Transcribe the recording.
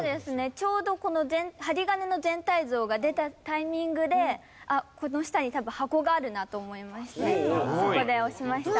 ちょうど針金の全体像が出たタイミングでこの下に多分箱があるなと思いましてそこで押しました。